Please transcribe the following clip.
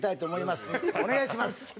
お願いします。